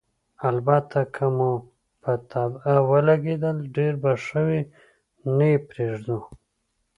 البته که مو په طبعه ولګېدل، ډېر به ښه وي، نه یې پرېږدو.